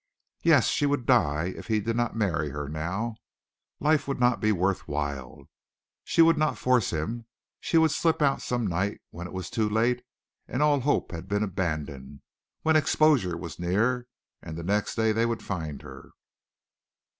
Yes, she would die if he did not marry her now. Life would not be worth while. She would not force him. She would slip out some night when it was too late and all hope had been abandoned when exposure was near and the next day they would find her.